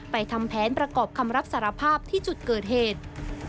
ทำแผนประกอบคำรับสารภาพที่จุดเกิดเหตุ